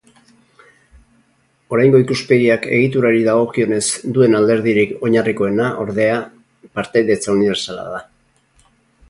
Oraingo ikuspegiak egiturari dagokionez duen alderdirik oinarrizkoena, ordea, partaidetza unibertsala da.